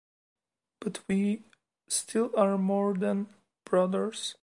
But we still are more than brothers.